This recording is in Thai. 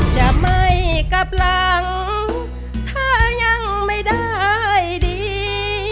จะไม่กลับหลังถ้ายังไม่ได้ดี